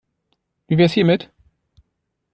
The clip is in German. Wie wäre es hiermit?